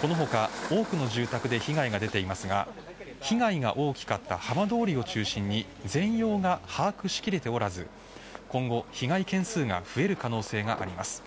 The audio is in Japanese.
この他多くの住宅で被害が出ていますが、被害が大きかった浜通りを中心に全容が把握しきれておらず今後、被害件数が増える可能性があります。